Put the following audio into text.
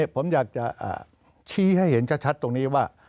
ผมอยากจะชี้ให้เห็นชัดตรงนี้ว่า